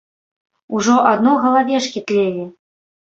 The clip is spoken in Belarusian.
Ужо адно галавешкі тлелі.